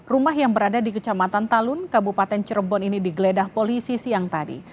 rumah yang berada di kecamatan talun kabupaten cirebon ini digeledah polisi siang tadi